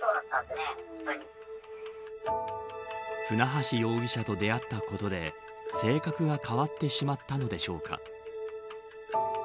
船橋容疑者と出会ったことで性格が変わってしまったのでしょうか。